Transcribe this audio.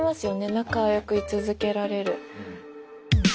仲良くい続けられる。